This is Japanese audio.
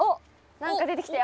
なんか出てきたよ！